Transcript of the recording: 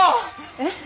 えっ？